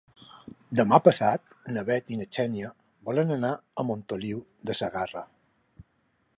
Demà passat na Bet i na Xènia volen anar a Montoliu de Segarra.